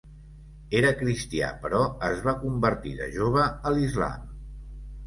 Era cristià però es va convertir de jove a l'islam.